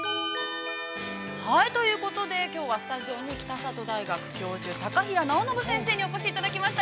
◆ということで、きょうはスタジオに北里大学教授高平尚伸先生にお越しいただきました。